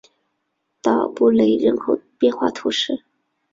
达尔布雷人口变化图示